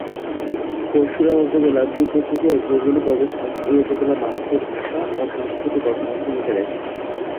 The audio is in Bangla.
পরশুরাম উপজেলার ভূ-প্রকৃতি ও ভৌগোলিক অবস্থান এই উপজেলার মানুষের ভাষা ও সংস্কৃতি গঠনে ভূমিকা রেখেছে।